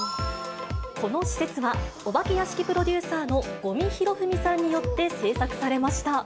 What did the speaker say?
この施設は、お化け屋敷プロデューサーの五味弘文さんによって制作されました。